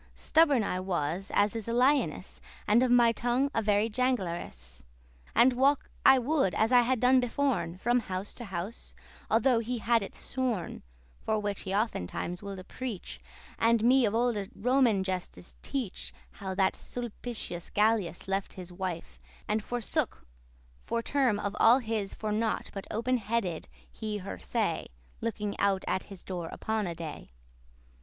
Stubborn I was, as is a lioness, And of my tongue a very jangleress,* *prater And walk I would, as I had done beforn, From house to house, although he had it sworn:* *had sworn to For which he oftentimes woulde preach prevent it And me of olde Roman gestes* teach *stories How that Sulpitius Gallus left his wife And her forsook for term of all his For nought but open headed* he her say *bare headed saw Looking out at his door upon a day.